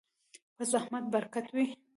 په زحمت برکت وي.